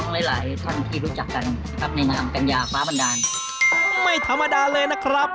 ไม่ธรรมดาเลยนะครับ